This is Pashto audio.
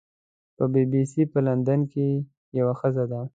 بی بي سي په لندن کې یوه ښځه ده.